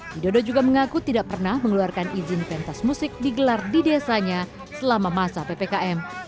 widodo juga mengaku tidak pernah mengeluarkan izin pentas musik digelar di desanya selama masa ppkm